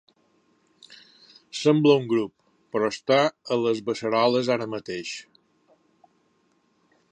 Sembla un grup, però està a les beceroles ara mateix.